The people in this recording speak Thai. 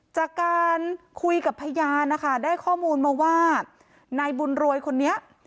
จากการคุยกับพยานนะคะได้ข้อมูลมาว่านายบุญรวยคนนี้